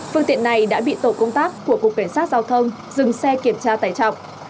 phương tiện này đã bị tổ công tác của cục kiểm soát giao thông dừng xe kiểm tra tải trọng